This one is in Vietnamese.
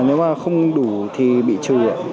nếu mà không đủ thì bị trừ ạ